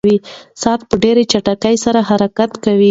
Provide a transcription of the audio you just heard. ساعت په ډېرې چټکتیا سره حرکت کوي.